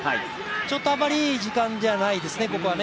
ちょっとあまりいい時間じゃないですね、ここは。